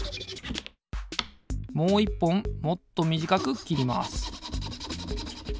もういっぽんもっとみじかくきります。